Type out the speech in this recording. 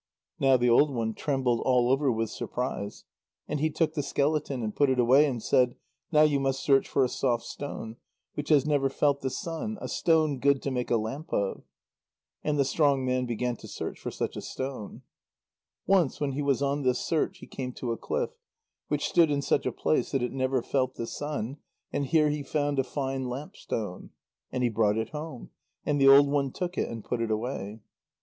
Now the old one trembled all over with surprise. And he took the skeleton, and put it away, and said: "Now you must search for a soft stone, which has never felt the sun, a stone good to make a lamp of." And the strong man began to search for such a stone. Once when he was on this search, he came to a cliff, which stood in such a place that it never felt the sun, and here he found a fine lamp stone. And he brought it home, and the old one took it and put it away.